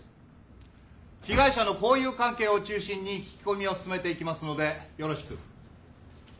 被害者の交友関係を中心に聞き込みを進めていきますのでよろしく。